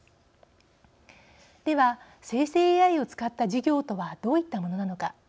では、生成ＡＩを使った授業とはどういったものなのか。